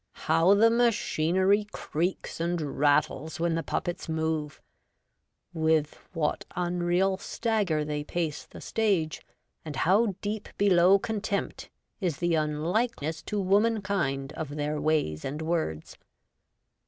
How the machinery creaks and rattles when the puppets move ! With what unreal stagger they pace the stage, and how deep below contempt is the unlikeness to womankind of their ways and words.